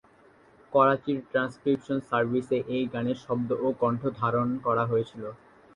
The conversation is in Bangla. করাচি ট্রান্সক্রিপশন সার্ভিসে এই গানের শব্দ ও কন্ঠ ধারণ করা হয়েছিল।